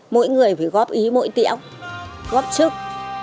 mỗi người phải góp ý mỗi tiệm góp chức